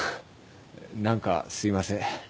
何かすいません。